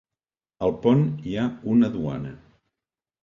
Al pont hi ha una duana.